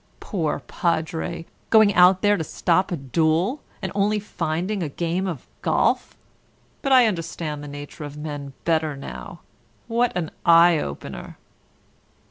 Poor Padre! Going out there to stop a duel, and only finding a game of golf. But I understand the nature of men better now. What an eye opener!"